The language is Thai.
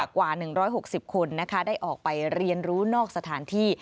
กว่า๑๖๐คนได้ออกไปเรียนรู้นอกสถานที่